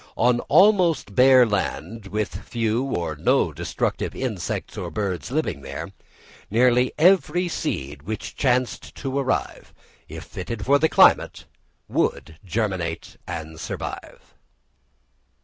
On almost bare land, with few or no destructive insects or birds living there, nearly every seed which chanced to arrive, if fitted for the climate, would germinate and survive.